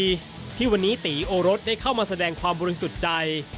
ที่วันนี้ตีโอรสได้เข้ามาแสดงความบริสุทธิ์ใจ